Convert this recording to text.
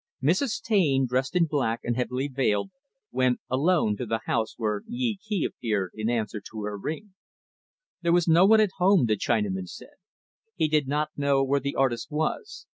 Mrs. Taine, dressed in black and heavily veiled, went, alone, to the house, where Yee Kee appeared in answer to her ring. There was no one at home, the Chinaman said. He did not know where the artist was.